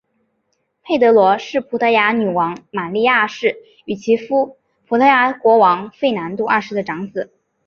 佩德罗是葡萄牙女王玛莉亚二世与其夫葡萄牙国王费南度二世的长子。